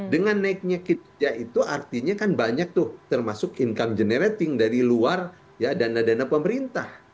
dengan naiknya kinerja itu artinya kan banyak tuh termasuk income generating dari luar ya dana dana pemerintah